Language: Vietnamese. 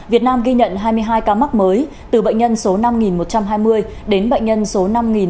việt nam ghi nhận hai mươi hai ca mắc mới từ bệnh nhân số năm nghìn một trăm hai mươi đến bệnh nhân số năm nghìn một trăm bốn mươi một